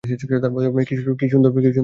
কী সুন্দর সেই সব কথা!